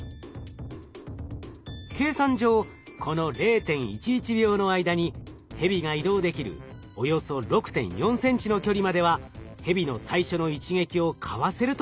計算上この０．１１秒の間にヘビが移動できるおよそ６．４ｃｍの距離まではヘビの最初の一撃をかわせると分かりました。